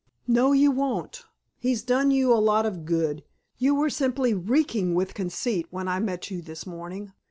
"No, you won't. He's done you a lot of good. You were simply reeking with conceit when I met you this morning.